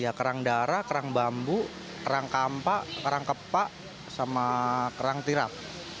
ya kerang darah kerang bambu kerang kampak kerang kepak sama kerang tirap